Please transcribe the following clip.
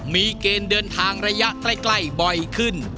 มีเกณฑ์เดินทางระยะใกล้บ่อยขึ้น